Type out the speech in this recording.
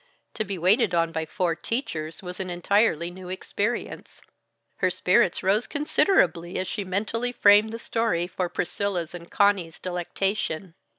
To be waited on by four teachers was an entirely new experience. Her spirits rose considerably as she mentally framed the story for Priscilla's and Conny's delectation.